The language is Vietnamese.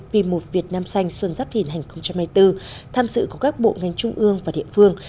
vì một việt nam xanh xuân giáp hình hành hai mươi bốn tham sự của các bộ ngành trung ương và địa phương